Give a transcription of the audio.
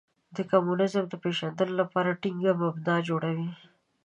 د کمونیزم د پېژندلو لپاره ټینګه مبنا جوړوي.